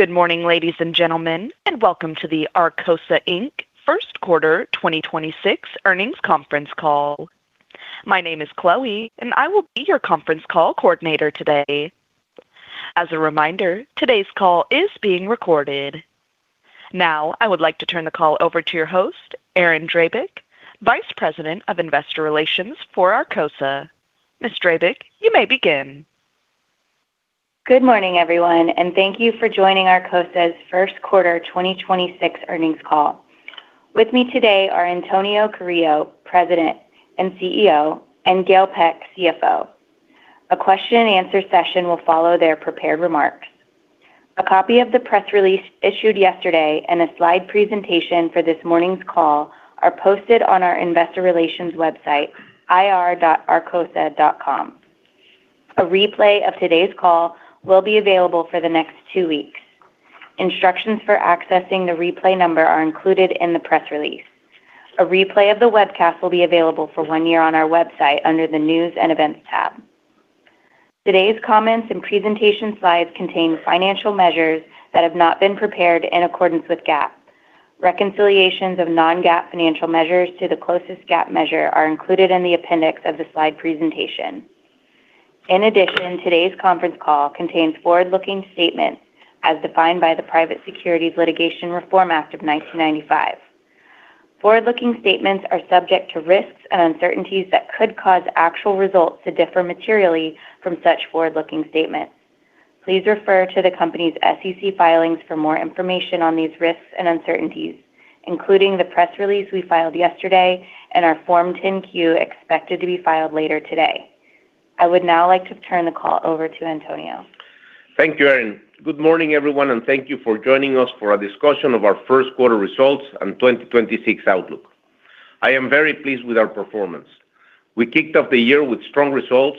Good morning, ladies and gentlemen, and welcome to the Arcosa, Inc. First Quarter 2026 Earnings Conference Call. My name is Chloe, and I will be your conference call coordinator today. As a reminder, today's call is being recorded. Now, I would like to turn the call over to your host, Erin Drabek, Vice President of Investor Relations for Arcosa. Ms. Drabek, you may begin. Good morning, everyone, and thank you for joining Arcosa's First Quarter 2026 Earnings Call. With me today are Antonio Carrillo, President and CEO, and Gail Peck, CFO. A question and answer session will follow their prepared remarks. A copy of the press release issued yesterday and a slide presentation for this morning's call are posted on our investor relations website, ir.arcosa.com. A replay of today's call will be available for the next two weeks. Instructions for accessing the replay number are included in the press release. A replay of the webcast will be available for one year on our website under the News and Events tab. Today's comments and presentation slides contain financial measures that have not been prepared in accordance with GAAP. Reconciliations of non-GAAP financial measures to the closest GAAP measure are included in the appendix of the slide presentation. In addition, today's conference call contains forward-looking statements as defined by the Private Securities Litigation Reform Act of 1995. Forward-looking statements are subject to risks and uncertainties that could cause actual results to differ materially from such forward-looking statements. Please refer to the company's SEC filings for more information on these risks and uncertainties, including the press release we filed yesterday and our Form 10-Q expected to be filed later today. I would now like to turn the call over to Antonio. Thank you, Erin. Good morning, everyone, and thank you for joining us for a discussion of our first quarter results and 2026 outlook. I am very pleased with our performance. We kicked off the year with strong results,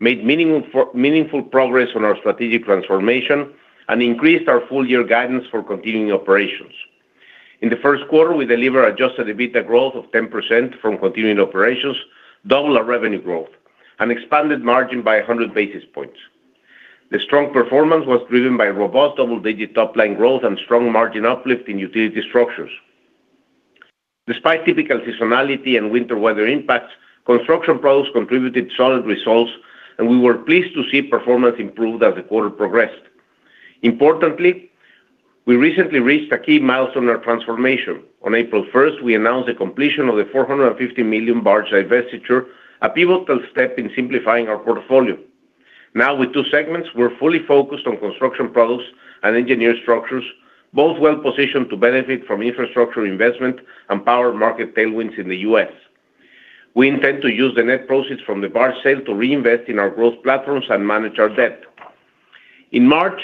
made meaningful progress on our strategic transformation, and increased our full year guidance for continuing operations. In the first quarter, we delivered Adjusted EBITDA growth of 10% from continuing operations, double our revenue growth, and expanded margin by 100 basis points. The strong performance was driven by robust double-digit top-line growth and strong margin uplift in Utility Structures. Despite typical seasonality and winter weather impacts, construction products contributed solid results, and we were pleased to see performance improve as the quarter progressed. Importantly, we recently reached a key milestone in our transformation. On April 1st, we announced the completion of the $450 million barge divestiture, a pivotal step in simplifying our portfolio. Now with two segments, we're fully focused on construction products and engineered structures, both well-positioned to benefit from infrastructure investment and power market tailwinds in the U.S. We intend to use the net proceeds from the barge sale to reinvest in our growth platforms and manage our debt. In March,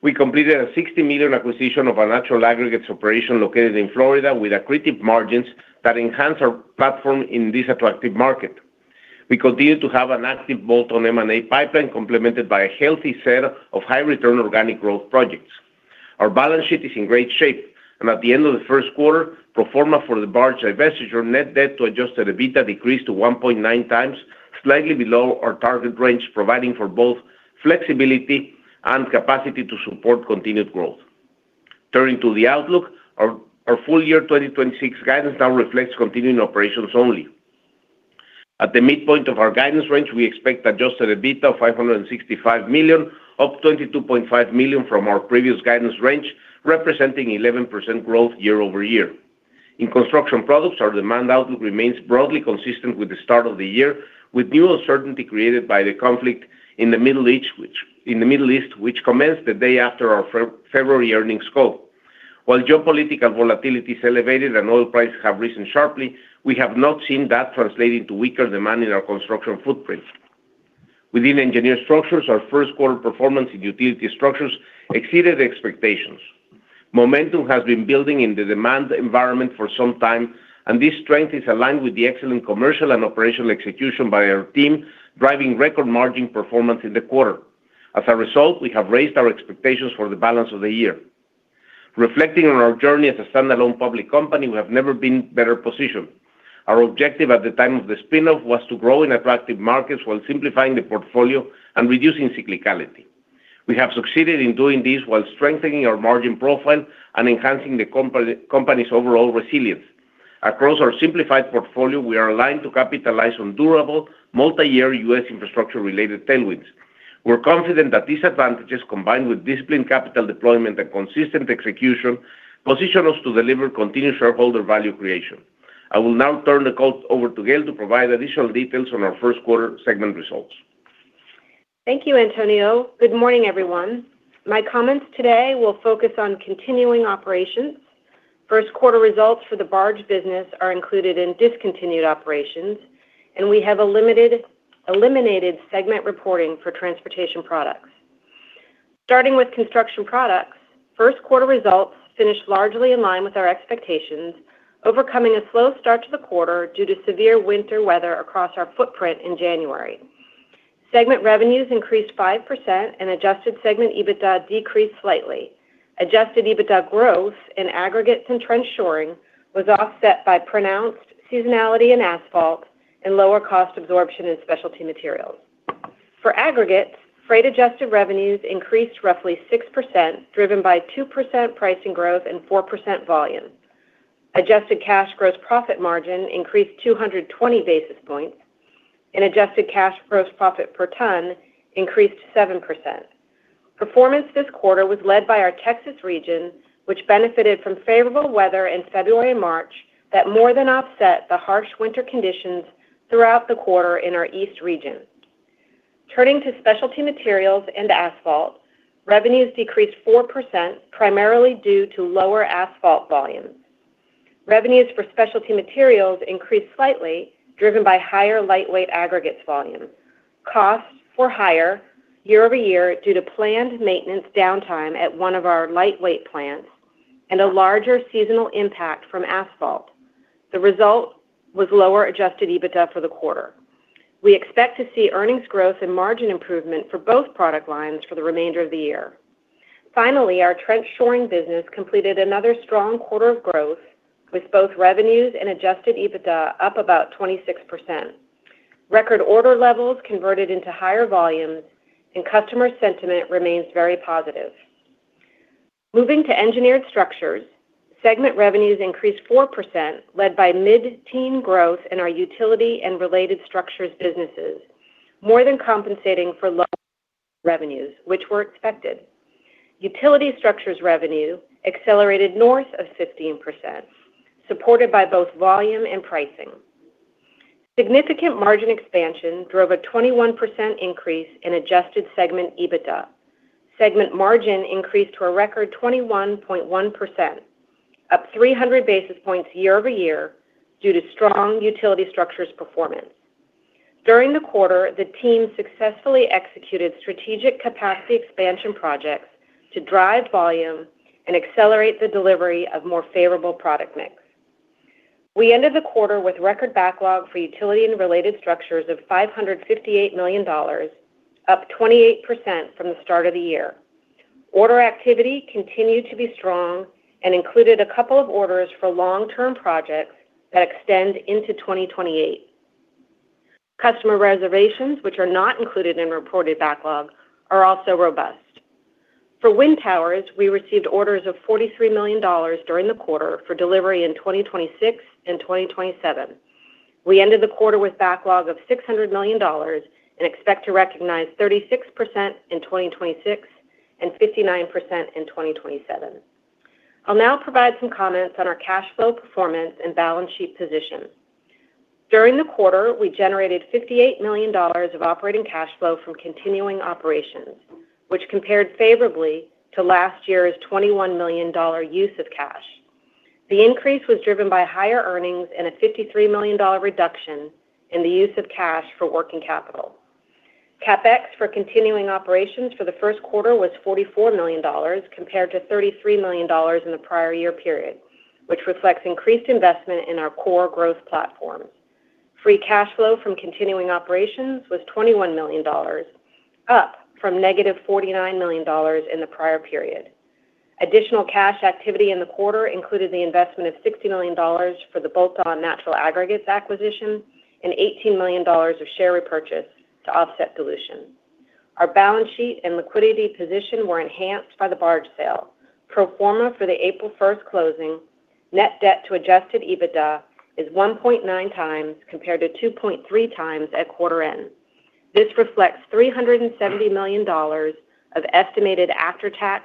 we completed a $60 million acquisition of a natural aggregates operation located in Florida with accretive margins that enhance our platform in this attractive market. We continue to have an active bolt-on M&A pipeline complemented by a healthy set of high-return organic growth projects. Our balance sheet is in great shape. At the end of the first quarter, pro forma for the barge divestiture, net debt to Adjusted EBITDA decreased to 1.9 times, slightly below our target range, providing for both flexibility and capacity to support continued growth. Turning to the outlook, our full year 2026 guidance now reflects continuing operations only. At the midpoint of our guidance range, we expect Adjusted EBITDA of $565 million, up $22.5 million from our previous guidance range, representing 11% growth year-over-year. In construction products, our demand outlook remains broadly consistent with the start of the year, with new uncertainty created by the conflict in the Middle East, which commenced the day after our February earnings call. While geopolitical volatility is elevated and oil prices have risen sharply, we have not seen that translating to weaker demand in our construction footprint. Within engineered structures, our first quarter performance in utility structures exceeded expectations. Momentum has been building in the demand environment for some time, and this strength is aligned with the excellent commercial and operational execution by our team, driving record margin performance in the quarter. As a result, we have raised our expectations for the balance of the year. Reflecting on our journey as a standalone public company, we have never been better positioned. Our objective at the time of the spin-off was to grow in attractive markets while simplifying the portfolio and reducing cyclicality. We have succeeded in doing this while strengthening our margin profile and enhancing the company's overall resilience. Across our simplified portfolio, we are aligned to capitalize on durable, multi-year U.S. infrastructure-related tailwinds. We're confident that these advantages, combined with disciplined capital deployment and consistent execution, position us to deliver continued shareholder value creation. I will now turn the call over to Gail to provide additional details on our first quarter segment results. Thank you, Antonio. Good morning, everyone. My comments today will focus on continuing operations. First quarter results for the barge business are included in discontinued operations, and we have eliminated segment reporting for Transportation Products. Starting with Construction Products, first quarter results finished largely in line with our expectations, overcoming a slow start to the quarter due to severe winter weather across our footprint in January. Segment revenues increased 5% and adjusted segment EBITDA decreased slightly. Adjusted EBITDA growth in Aggregates and Trench Shoring was offset by pronounced seasonality in Asphalt and lower cost absorption in Specialty Materials. For aggregates, freight-adjusted revenues increased roughly 6%, driven by 2% pricing growth and 4% volume. Adjusted cash gross profit margin increased 220 basis points, and adjusted cash gross profit per ton increased 7%. Performance this quarter was led by our Texas region, which benefited from favorable weather in February and March that more than offset the harsh winter conditions throughout the quarter in our East region. Turning to specialty materials and asphalt, revenues decreased 4%, primarily due to lower asphalt volumes. Revenues for specialty materials increased slightly, driven by higher lightweight aggregates volumes. Costs were higher year-over-year due to planned maintenance downtime at one of our lightweight plants and a larger seasonal impact from asphalt. The result was lower Adjusted EBITDA for the quarter. We expect to see earnings growth and margin improvement for both product lines for the remainder of the year. Finally, our trench shoring business completed another strong quarter of growth, with both revenues and Adjusted EBITDA up about 26%. Record order levels converted into higher volumes and customer sentiment remains very positive. Moving to engineered structures, segment revenues increased 4%, led by mid-teen growth in our utility and related structures businesses, more than compensating for low revenues, which were expected. Utility structures revenue accelerated north of 15%, supported by both volume and pricing. Significant margin expansion drove a 21% increase in Adjusted segment EBITDA. Segment margin increased to a record 21.1%, up 300 basis points year-over-year due to strong utility structures performance. During the quarter, the team successfully executed strategic capacity expansion projects to drive volume and accelerate the delivery of more favorable product mix. We ended the quarter with record backlog for utility and related structures of $558 million, up 28% from the start of the year. Order activity continued to be strong and included a couple of orders for long-term projects that extend into 2028. Customer reservations, which are not included in reported backlog, are also robust. For wind towers, we received orders of $43 million during the quarter for delivery in 2026 and 2027. We ended the quarter with backlog of $600 million and expect to recognize 36% in 2026 and 59% in 2027. I'll now provide some comments on our cash flow performance and balance sheet position. During the quarter, we generated $58 million of operating cash flow from continuing operations, which compared favorably to last year's $21 million use of cash. The increase was driven by higher earnings and a $53 million reduction in the use of cash for working capital. CapEx for continuing operations for the first quarter was $44 million, compared to $33 million in the prior year period, which reflects increased investment in our core growth platforms. Free cash flow from continuing operations was $21 million, up from $-49 million in the prior period. Additional cash activity in the quarter included the investment of $60 million for the bolt-on natural aggregates acquisition and $18 million of share repurchase to offset dilution. Our balance sheet and liquidity position were enhanced by the barge sale. Pro forma for the April 1st closing, net debt to Adjusted EBITDA is 1.9 times, compared to 2.3 times at quarter end. This reflects $370 million of estimated after-tax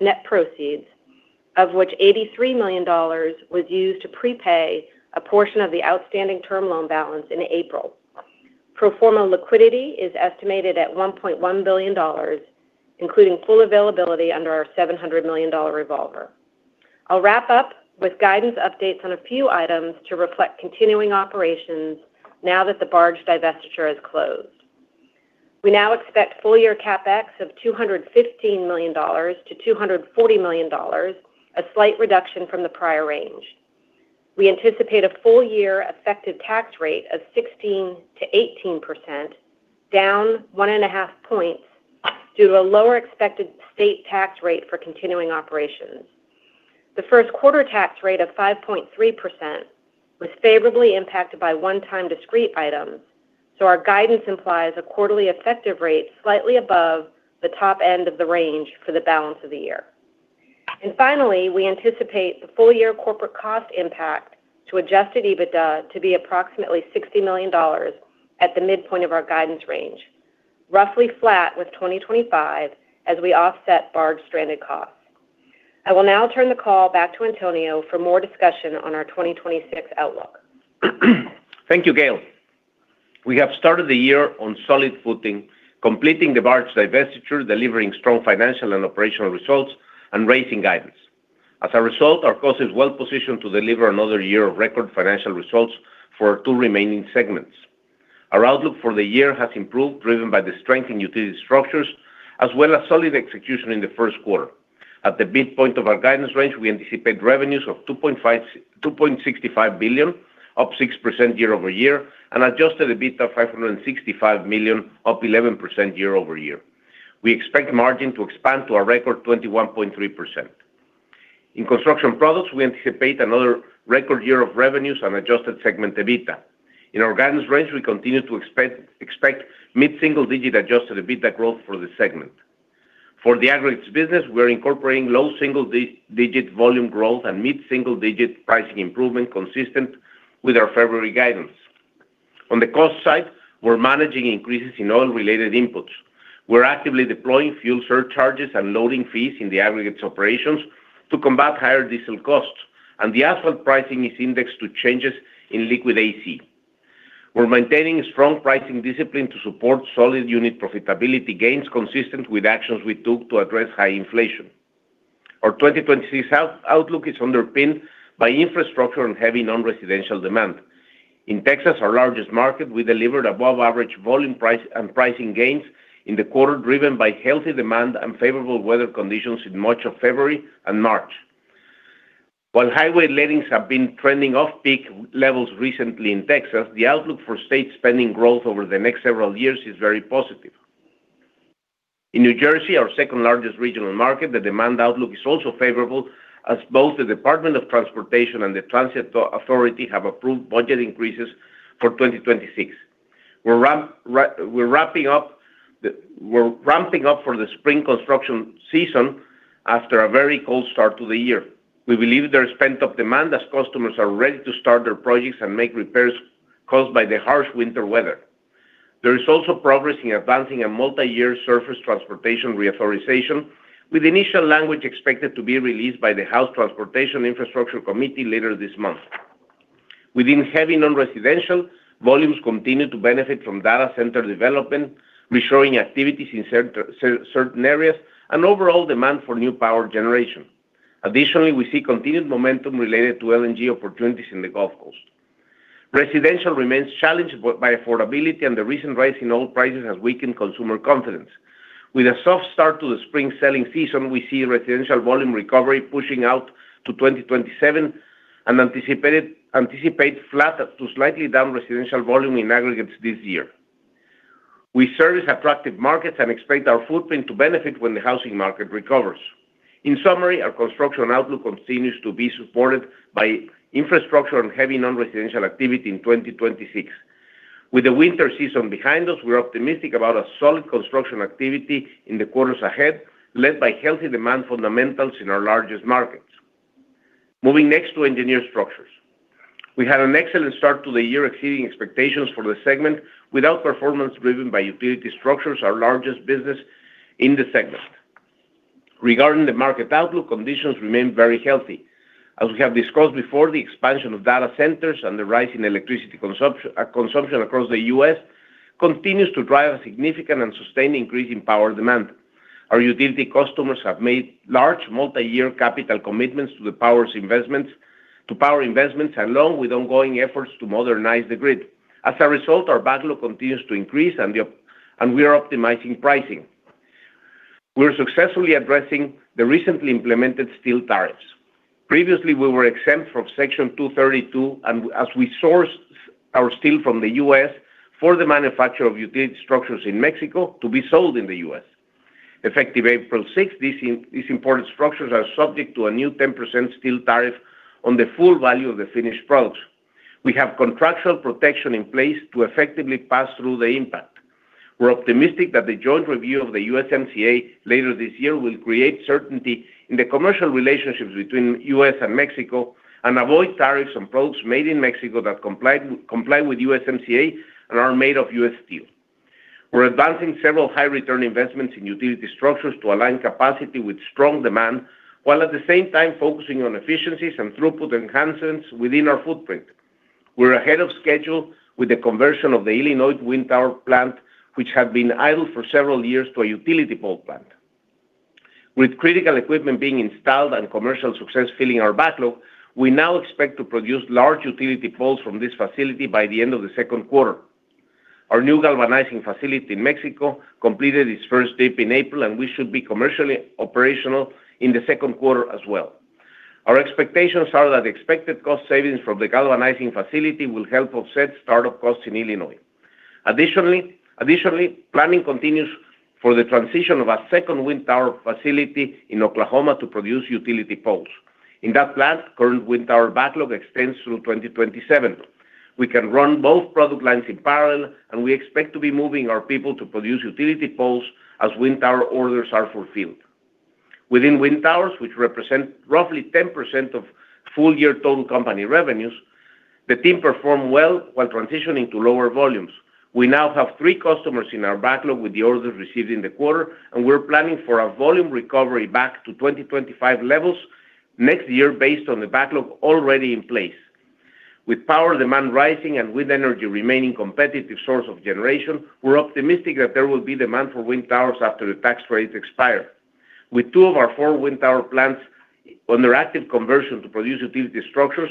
net proceeds, of which $83 million was used to prepay a portion of the outstanding term loan balance in April. Pro forma liquidity is estimated at $1.1 billion, including full availability under our $700 million revolver. I'll wrap up with guidance updates on a few items to reflect continuing operations now that the barge divestiture is closed. We now expect full year CapEx of $215 million-$240 million, a slight reduction from the prior range. We anticipate a full year effective tax rate of 16%-18%, down 1.5 points due to a lower expected state tax rate for continuing operations. The first quarter tax rate of 5.3% was favorably impacted by one-time discrete items, so our guidance implies a quarterly effective rate slightly above the top end of the range for the balance of the year. Finally, we anticipate the full year corporate cost impact to Adjusted EBITDA to be approximately $60 million at the midpoint of our guidance range, roughly flat with 2025 as we offset barge stranded costs. I will now turn the call back to Antonio for more discussion on our 2026 outlook. Thank you, Gail. We have started the year on solid footing, completing the barge divestiture, delivering strong financial and operational results, and raising guidance. As a result, Arcosa is well-positioned to deliver another year of record financial results for our two remaining segments. Our outlook for the year has improved, driven by the strength in utility structures as well as solid execution in the first quarter. At the midpoint of our guidance range, we anticipate revenues of $2.5 billion-$2.65 billion, up 6% year-over-year, and Adjusted EBITDA of $565 million, up 11% year-over-year. We expect margin to expand to a record 21.3%. In Construction Products, we anticipate another record year of revenues on Adjusted segment EBITDA. In Organics, we continue to expect mid-single-digit Adjusted EBITDA growth for the segment. For the aggregates business, we're incorporating low single-digit volume growth and mid-single-digit pricing improvement consistent with our February guidance. On the cost side, we're managing increases in all related inputs. We're actively deploying fuel surcharges and loading fees in the aggregates operations to combat higher diesel costs, and the asphalt pricing is indexed to changes in liquid AC. We're maintaining strong pricing discipline to support solid unit profitability gains consistent with actions we took to address high inflation. Our 2026 outlook is underpinned by infrastructure and heavy non-residential demand. In Texas, our largest market, we delivered above average volume price and pricing gains in the quarter, driven by healthy demand and favorable weather conditions in much of February and March. While highway lettings have been trending off-peak levels recently in Texas, the outlook for state spending growth over the next several years is very positive. In New Jersey, our second-largest regional market, the demand outlook is also favorable, as both the Department of Transportation and the Transit Authority have approved budget increases for 2026. We're ramping up for the spring construction season after a very cold start to the year. We believe there's pent-up demand as customers are ready to start their projects and make repairs caused by the harsh winter weather. There is also progress in advancing a multi-year surface transportation reauthorization, with initial language expected to be released by the House Committee on Transportation and Infrastructure later this month. Within heavy non-residential, volumes continue to benefit from data center development, reshoring activities in certain areas, and overall demand for new power generation. Additionally, we see continued momentum related to LNG opportunities in the Gulf Coast. Residential remains challenged by affordability, and the recent rise in oil prices has weakened consumer confidence. With a soft start to the spring selling season, we see residential volume recovery pushing out to 2027 and anticipate flat to slightly down residential volume in aggregates this year. We service attractive markets and expect our footprint to benefit when the housing market recovers. In summary, our construction outlook continues to be supported by infrastructure and heavy non-residential activity in 2026. With the winter season behind us, we're optimistic about a solid construction activity in the quarters ahead, led by healthy demand fundamentals in our largest markets. Moving next to Engineered Structures. We had an excellent start to the year, exceeding expectations for the segment, with our performance driven by utility structures, our largest business in the segment. Regarding the market outlook, conditions remain very healthy. As we have discussed before, the expansion of data centers and the rise in electricity consumption across the U.S. continues to drive a significant and sustained increase in power demand. Our utility customers have made large multi-year capital commitments to power investments, along with ongoing efforts to modernize the grid. As a result, our backlog continues to increase and we are optimizing pricing. We are successfully addressing the recently implemented steel tariffs. Previously, we were exempt from Section 232, as we sourced our steel from the U.S. for the manufacture of utility structures in Mexico to be sold in the U.S. Effective April 6th, these important structures are subject to a new 10% steel tariff on the full value of the finished product. We have contractual protection in place to effectively pass through the impact. We're optimistic that the joint review of the USMCA later this year will create certainty in the commercial relationships between U.S. and Mexico and avoid tariffs on products made in Mexico that comply with USMCA and are made of U.S. steel. We're advancing several high return investments in utility structures to align capacity with strong demand, while at the same time focusing on efficiencies and throughput enhancements within our footprint. We're ahead of schedule with the conversion of the Illinois wind tower plant, which had been idle for several years, to a utility pole plant. With critical equipment being installed and commercial success filling our backlog, we now expect to produce large utility poles from this facility by the end of the second quarter. Our new galvanizing facility in Mexico completed its first tape in April, and we should be commercially operational in the second quarter as well. Our expectations are that expected cost savings from the galvanizing facility will help offset start-up costs in Illinois. Additionally, planning continues for the transition of our second wind tower facility in Oklahoma to produce utility poles. In that plant, current wind tower backlog extends through 2027. We can run both product lines in parallel. We expect to be moving our people to produce utility poles as wind tower orders are fulfilled. Within wind towers, which represent roughly 10% of full year total company revenues, the team performed well while transitioning to lower volumes. We now have three customers in our backlog with the orders received in the quarter, We're planning for a volume recovery back to 2025 levels next year based on the backlog already in place. With power demand rising and wind energy remaining competitive source of generation, we're optimistic that there will be demand for wind towers after the tax rates expire. With two of our four wind tower plants under active conversion to produce utility structures,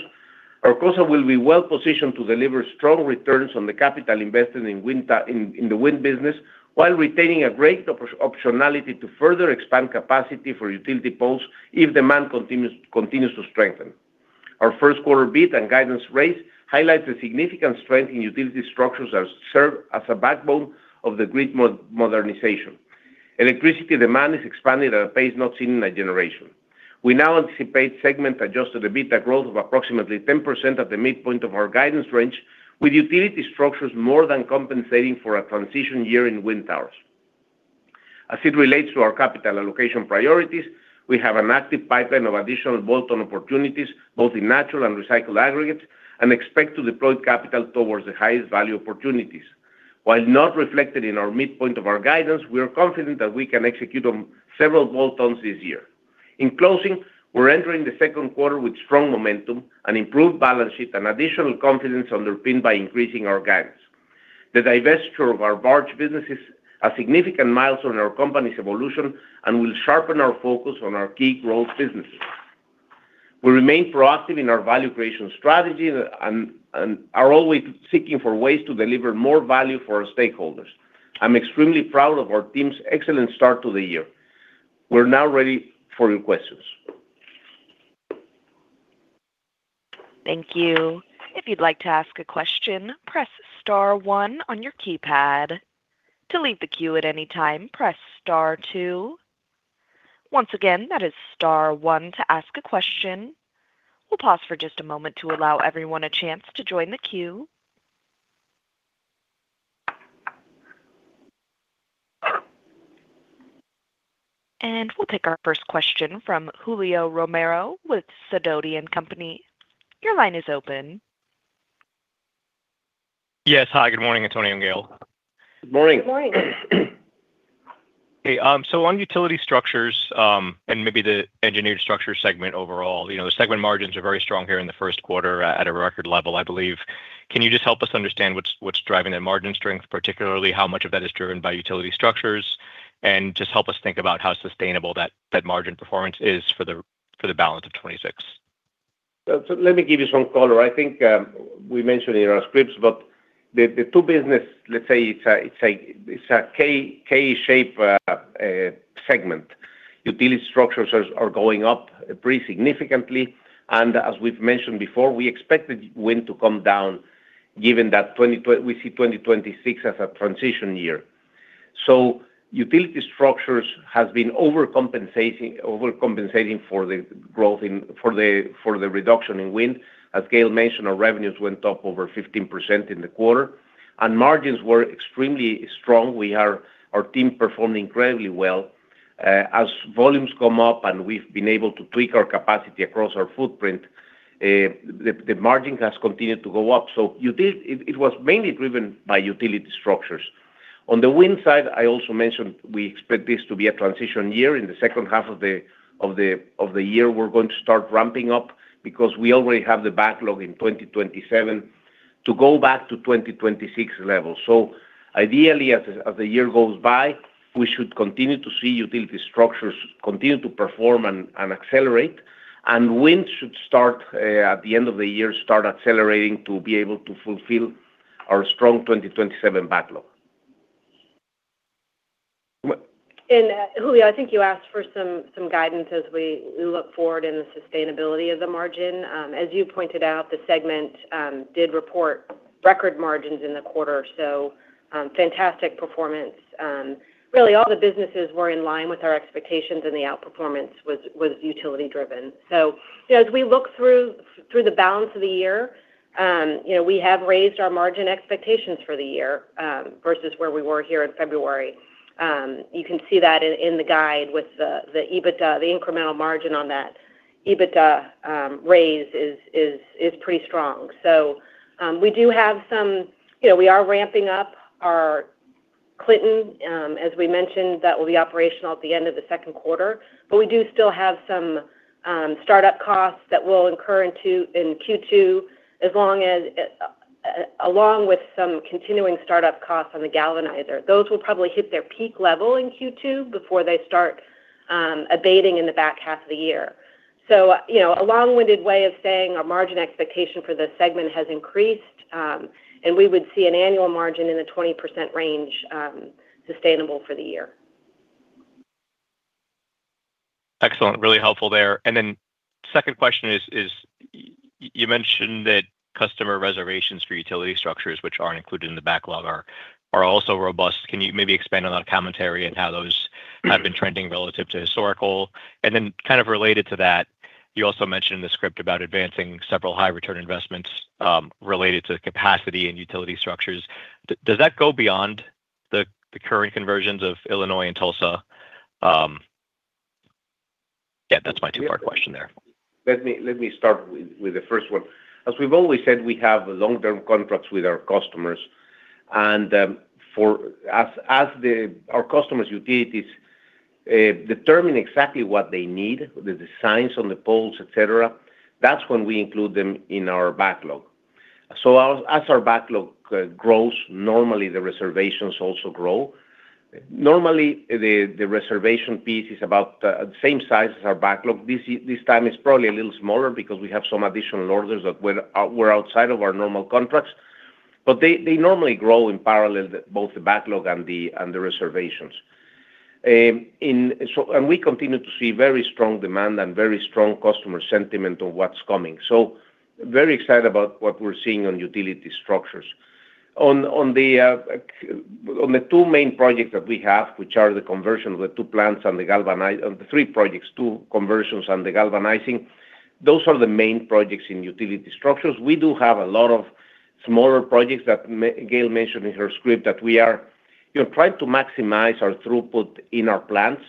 Arcosa will be well-positioned to deliver strong returns on the capital invested in the wind business while retaining a great optionality to further expand capacity for utility poles if demand continues to strengthen. Our first quarter beat and guidance raise highlights the significant strength in utility structures as serve as a backbone of the grid modernization. Electricity demand is expanding at a pace not seen in a generation. We now anticipate segment Adjusted EBITDA growth of approximately 10% at the midpoint of our guidance range, with utility structures more than compensating for a transition year in wind towers. As it relates to our capital allocation priorities, we have an active pipeline of additional bolt-on opportunities, both in natural and recycled aggregates, and expect to deploy capital towards the highest value opportunities. While not reflected in our midpoint of our guidance, we are confident that we can execute on several bolt-ons this year. In closing, we're entering the second quarter with strong momentum, an improved balance sheet, and additional confidence underpinned by increasing our guidance. The divestiture of our barge businesses, a significant milestone in our company's evolution, and will sharpen our focus on our key growth businesses. We remain proactive in our value creation strategy and are always seeking for ways to deliver more value for our stakeholders. I'm extremely proud of our team's excellent start to the year. We're now ready for your questions. Thank you. We'll take our first question from Julio Romero with Sidoti & Company. Your line is open. Yes. Hi, good morning, Antonio and Gail. Good morning. Good morning. On utility structures, and maybe the engineered structure segment overall, you know, the segment margins are very strong here in the first quarter at a record level, I believe. Can you just help us understand what's driving that margin strength, particularly how much of that is driven by utility structures? Just help us think about how sustainable that margin performance is for the balance of 2026. Let me give you some color. I think we mentioned in our scripts, but the two business, let's say it's a K-shape segment. Utility Structures are going up pretty significantly. As we've mentioned before, we expect the Wind to come down given that we see 2026 as a transition year. Utility Structures has been overcompensating for the growth in, for the reduction in Wind. As Gail mentioned, our revenues went up over 15% in the quarter, and margins were extremely strong. Our team performed incredibly well. As volumes come up and we've been able to tweak our capacity across our footprint, the margin has continued to go up. It was mainly driven by Utility Structures. On the wind side, I also mentioned we expect this to be a transition year. In the second half of the year, we're going to start ramping up because we already have the backlog in 2027 to go back to 2026 levels. Ideally, as the year goes by, we should continue to see utility structures continue to perform and accelerate, and wind should start at the end of the year, start accelerating to be able to fulfill our strong 2027 backlog. Julio, I think you asked for some guidance as we look forward in the sustainability of the margin. As you pointed out, the segment did report record margins in the quarter, so fantastic performance. Really all the businesses were in line with our expectations, and the outperformance was utility driven. You know, as we look through the balance of the year, you know, we have raised our margin expectations for the year versus where we were here in February. You can see that in the guide with the EBITDA, the incremental margin on that EBITDA raise is pretty strong. We do have some, you know, we are ramping up our Clinton, as we mentioned, that will be operational at the end of the second quarter. We do still have some startup costs that we'll incur into in Q2 as long as along with some continuing startup costs on the galvanizer. Those will probably hit their peak level in Q2 before they start abating in the back half of the year. You know, a long-winded way of saying our margin expectation for this segment has increased, and we would see an annual margin in the 20% range, sustainable for the year. Excellent. Really helpful there. Second question is, you mentioned that customer reservations for Utility Structures, which aren't included in the backlog are also robust. Can you maybe expand on that commentary and how those have been trending relative to historical? Kind of related to that, you also mentioned in the script about advancing several high return investments related to capacity and Utility Structures. Does that go beyond the current conversions of Illinois and Tulsa? Yeah, that's my two-part question there. Let me start with the first one. As we've always said, we have long-term contracts with our customers. As our customers utilities determine exactly what they need, the designs on the poles, et cetera, that's when we include them in our backlog. As our backlog grows, normally the reservations also grow. Normally, the reservation piece is about the same size as our backlog. This time it's probably a little smaller because we have some additional orders that were outside of our normal contracts. They normally grow in parallel, both the backlog and the reservations. We continue to see very strong demand and very strong customer sentiment on what's coming. Very excited about what we're seeing on utility structures. On the two main projects that we have, which are the conversion of the two plants and the three projects, two conversions and the galvanizing, those are the main projects in utility structures. We do have a lot of smaller projects that Gail mentioned in her script, that we are, you know, trying to maximize our throughput in our plants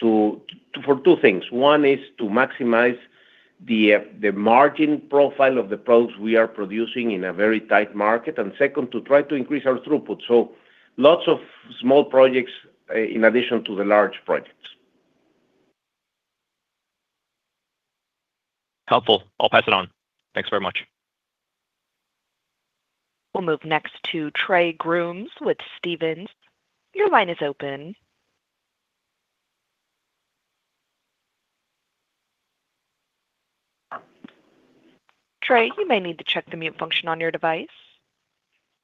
for two things. One is to maximize the margin profile of the products we are producing in a very tight market, and second, to try to increase our throughput. Lots of small projects in addition to the large projects. Helpful. I'll pass it on. Thanks very much. We'll move next to Trey Grooms with Stephens. Your line is open. Trey, you may need to check the mute function on your device.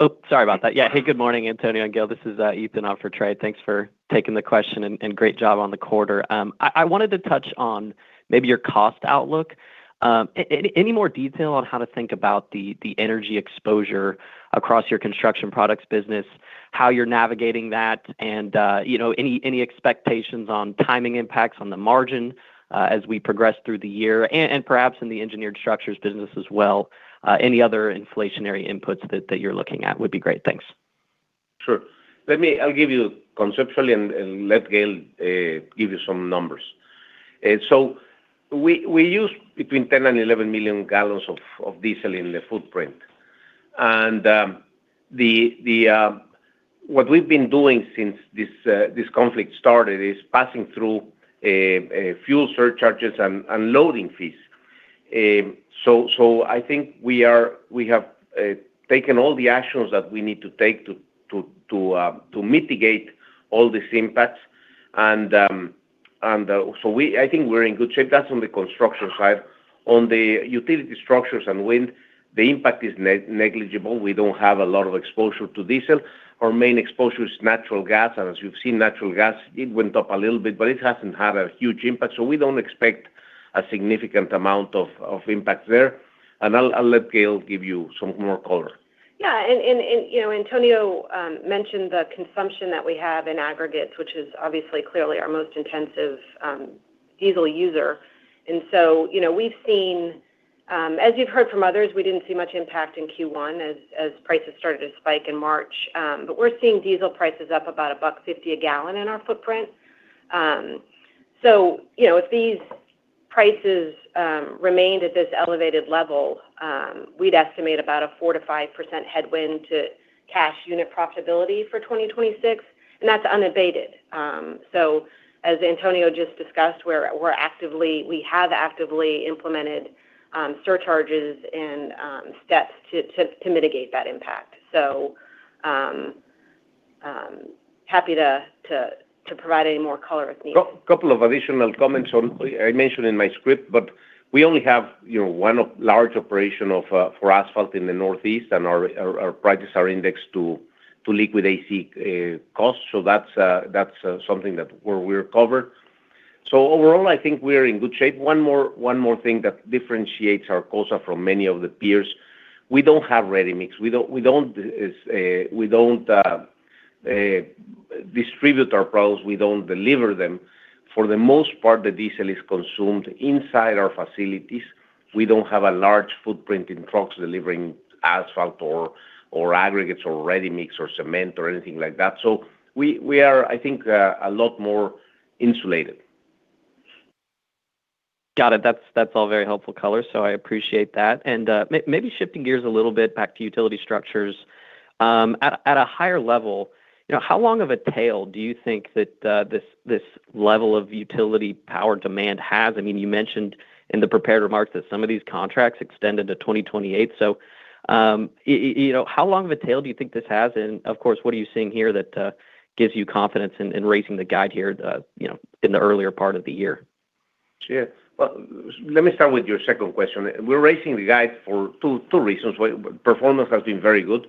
Oh, sorry about that. Yeah. Hey, good morning, Antonio and Gail. This is Ethan on for Trey. Thanks for taking the question and great job on the quarter. I wanted to touch on maybe your cost outlook. Any more detail on how to think about the energy exposure across your construction products business, how you're navigating that, and, you know, any expectations on timing impacts on the margin as we progress through the year? Perhaps in the engineered structures business as well, any other inflationary inputs that you're looking at would be great. Thanks. Sure. Let me, I'll give you conceptually and let Gail give you some numbers. We use between 10-11 million gallons of diesel in the footprint. What we've been doing since this conflict started is passing through fuel surcharges and loading fees. I think we have taken all the actions that we need to take to mitigate all these impacts. I think we're in good shape. That's on the construction side. On the utility structures and wind, the impact is negligible. We don't have a lot of exposure to diesel. Our main exposure is natural gas. As you've seen, natural gas, it went up a little bit, but it hasn't had a huge impact, so we don't expect a significant amount of impact there. I'll let Gail give you some more color. Yeah. You know, Antonio mentioned the consumption that we have in aggregates, which is obviously clearly our most intensive diesel user. We're seeing diesel prices up about $1.50 a gallon in our footprint. You know, if these prices remained at this elevated level, we'd estimate about a 4%-5% headwind to cash unit profitability for 2026, and that's unabated. As Antonio just discussed, we have actively implemented surcharges and steps to mitigate that impact. Happy to provide any more color if needed. Couple of additional comments on, I mentioned in my script, but we only have, you know, one of large operation for asphalt in the Northeast, and our prices are indexed to liquid AC costs. That's something that we're covered. Overall, I think we're in good shape. One more thing that differentiates Arcosa from many of the peers, we don't have ready-mix. We don't distribute our products. We don't deliver them. For the most part, the diesel is consumed inside our facilities. We don't have a large footprint in trucks delivering asphalt or aggregates or ready-mix or cement or anything like that. We are, I think, a lot more insulated. Got it. That's all very helpful color, so I appreciate that. Shifting gears a little bit back to utility structures. At a higher level, you know, how long of a tail do you think that, this level of utility power demand has? I mean, you mentioned in the prepared remarks that some of these contracts extend into 2028. You know, how long of a tail do you think this has? Of course, what are you seeing here that, gives you confidence in raising the guide here, you know, in the earlier part of the year? Sure. Well, let me start with your second question. We're raising the guide for two reasons. Performance has been very good,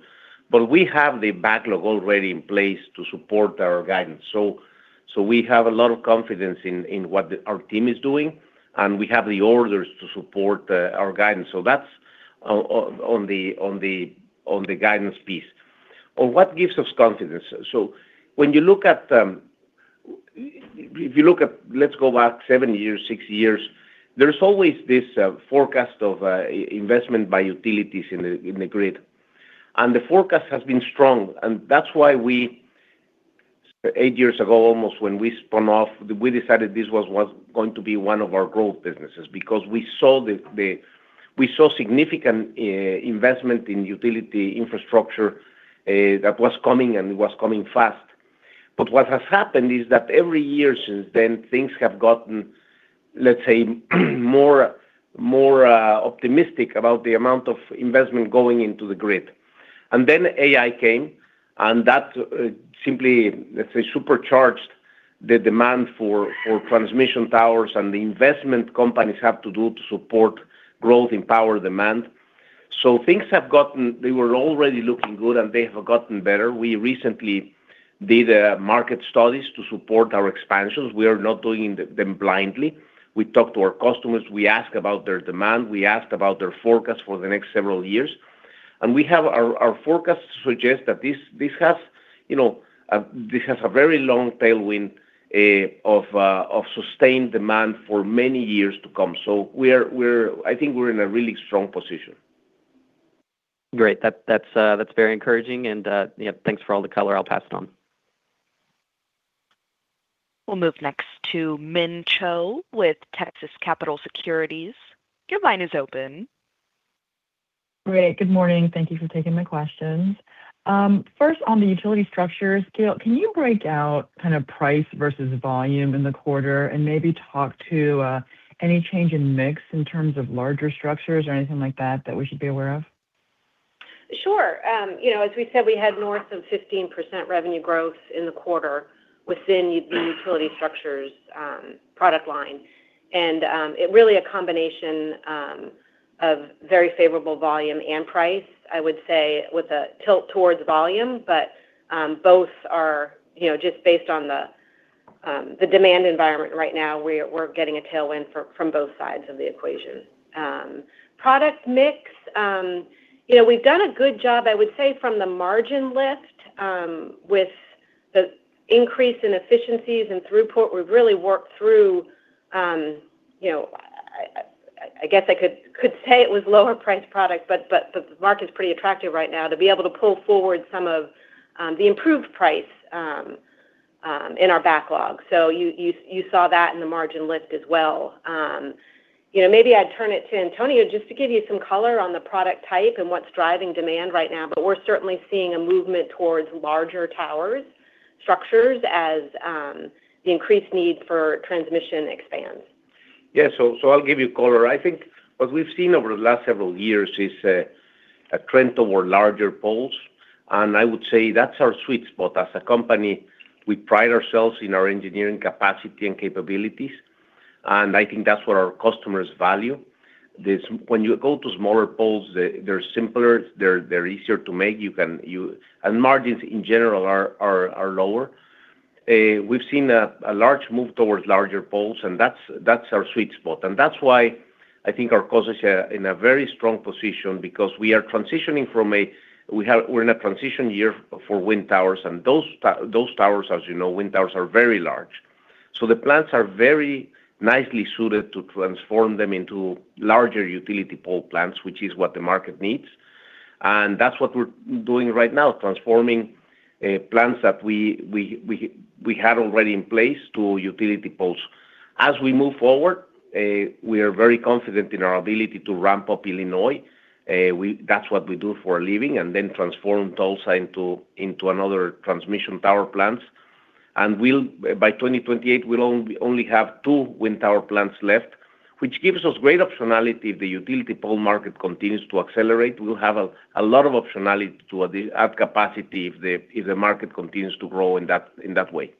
but we have the backlog already in place to support our guidance. We have a lot of confidence in what our team is doing, and we have the orders to support our guidance. That's on the guidance piece. On what gives us confidence. When you look at, if you look at, let's go back seven years, six years, there's always this forecast of investment by utilities in the grid. The forecast has been strong. That's why we, eight years ago almost when we spun off, we decided this was going to be one of our growth businesses because we saw significant investment in utility infrastructure that was coming and it was coming fast. What has happened is that every year since then, things have gotten, let's say, more optimistic about the amount of investment going into the grid. And then, AI came, and that simply, let's say, supercharged the demand for transmission towers and the investment companies have to do to support growth in power demand. Things have gotten, they were already looking good, and they have gotten better. We recently did market studies to support our expansions. We are not doing them blindly. We talk to our customers. We ask about their demand. We ask about their forecast for the next several years. We have our forecasts suggest that this has, you know, a very long tailwind of sustained demand for many years to come. I think we're in a really strong position. Great. That's very encouraging and, yeah, thanks for all the color. I'll pass it on. We'll move next to Min Cho with Texas Capital Securities. Your line is open. Great. Good morning. Thank you for taking my questions. First, on the utility structures, Gail, can you break out kind of price versus volume in the quarter and maybe talk to any change in mix in terms of larger structures or anything like that that we should be aware of? Sure. As we said, we had more than 15% revenue growth in the quarter within the Utility Structures product line. It really a combination of very favorable volume and price, I would say, with a tilt towards volume. Both are just based on the demand environment right now. We're getting a tailwind for, from both sides of the equation. Product mix, we've done a good job, I would say, from the margin lift, with the increase in efficiencies and throughput. We've really worked through, I guess I could say it was lower priced product, but the market's pretty attractive right now to be able to pull forward some of the improved price in our backlog. You saw that in the margin lift as well. You know, maybe I'd turn it to Antonio just to give you some color on the product type and what's driving demand right now. We're certainly seeing a movement towards larger towers structures as the increased need for transmission expands. Yes, so, I'll give you color. I think what we've seen over the last several years is a trend toward larger poles, and I would say that's our sweet spot. As a company, we pride ourselves in our engineering capacity and capabilities, and I think that's what our customers value. When you go to smaller poles, they're simpler, they're easier to make. Margins in general are lower. We've seen a large move towards larger poles, and that's our sweet spot. That's why I think Arcosa is in a very strong position because we're in a transition year for wind towers, and those towers, as you know, wind towers are very large. The plants are very nicely suited to transform them into larger utility pole plants, which is what the market needs. That's what we're doing right now, transforming plants that we had already in place to utility poles. As we move forward, we are very confident in our ability to ramp up Illinois. That's what we do for a living, and then transform Tulsa into another transmission tower plants. By 2028, we'll only have two wind tower plants left, which gives us great optionality if the utility pole market continues to accelerate. We'll have a lot of optionality to add capacity if the market continues to grow in that way.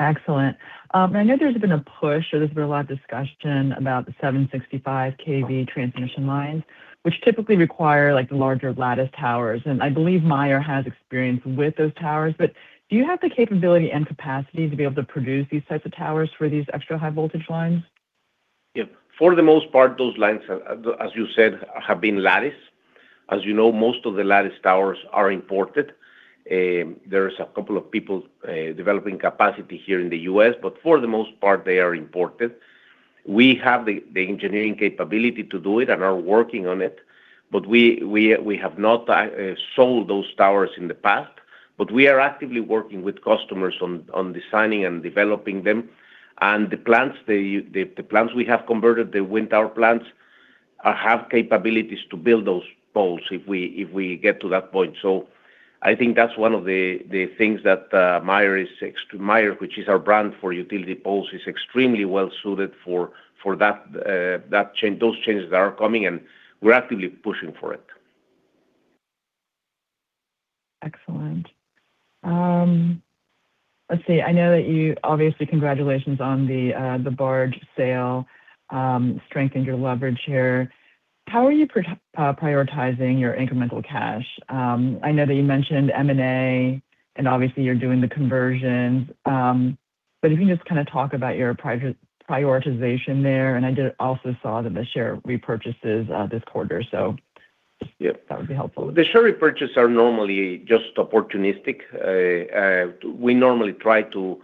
Excellent. I know there's been a push or there's been a lot of discussion about the 765 kV transmission lines, which typically require, like, the larger lattice towers. I believe Meyer has experience with those towers. Do you have the capability and capacity to be able to produce these types of towers for these extra high voltage lines? Yeah. For the most part, those lines, as you said, have been lattice. As you know, most of the lattice towers are imported. There is a couple of people developing capacity here in the U.S., but for the most part, they are imported. We have the engineering capability to do it and are working on it. We have not sold those towers in the past, but we are actively working with customers on designing and developing them. The plants we have converted, the wind tower plants have capabilities to build those poles if we get to that point. I think that's one of the things that Meyer, which is our brand for utility poles, is extremely well-suited for that change, those changes that are coming, and we're actively pushing for it. Excellent. Let's see. I know that you obviously, congratulations on the barge sale, strengthened your leverage here. How are you prioritizing your incremental cash? I know that you mentioned M&A, and obviously you're doing the conversions. If you can just kinda talk about your prioritization there. I also saw the share repurchases this quarter. Yeah That would be helpful. The share repurchase are normally just opportunistic. We normally try to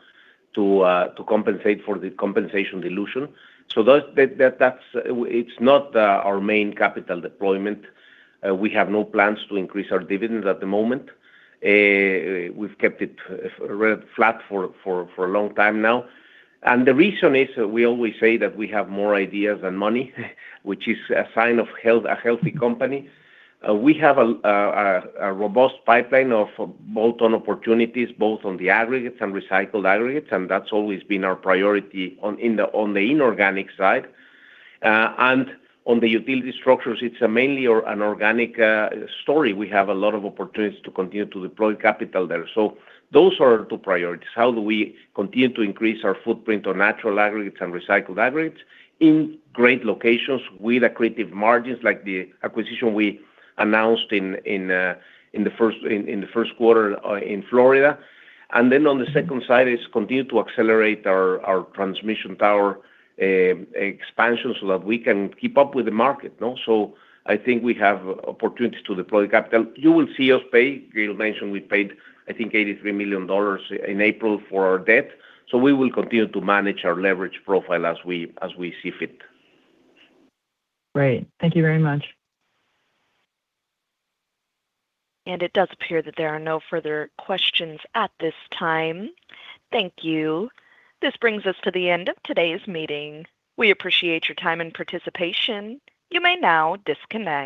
compensate for the compensation dilution. It's not our main capital deployment. We have no plans to increase our dividends at the moment. We've kept it flat for a long time now. The reason is we always say that we have more ideas than money, which is a sign of health, a healthy company. We have a robust pipeline of bolt-on opportunities, both on the aggregates and recycled aggregates, and that's always been our priority on the inorganic side. On the utility structures, it's mainly an organic story. We have a lot of opportunities to continue to deploy capital there. Those are our two priorities. How do we continue to increase our footprint on natural aggregates and recycled aggregates in great locations with accretive margins like the acquisition we announced in the first quarter in Florida. On the second side is continue to accelerate our transmission tower expansion so that we can keep up with the market, no? I think we have opportunities to deploy capital. You will see us pay. Gail mentioned we paid, I think, $83 million in April for our debt. We will continue to manage our leverage profile as we see fit. Great. Thank you very much. It does appear that there are no further questions at this time. Thank you. This brings us to the end of today's meeting. We appreciate your time and participation. You may now disconnect.